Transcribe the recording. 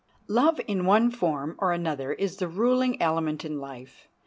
Love in one form or another is the ruling element in life.